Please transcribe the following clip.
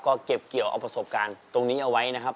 ก็เก็บเกี่ยวเอาประสบการณ์ตรงนี้เอาไว้นะครับ